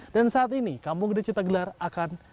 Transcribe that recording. dan saat ini kampung gede cipta gelar akan